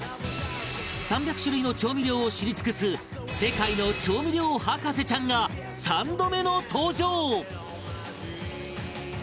３００種類の調味料を知り尽くす世界の調味料博士ちゃんが３度目の登場！